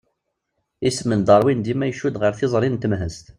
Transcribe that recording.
Isem n Darwin dima icudd ɣer tiẓri n temhezt.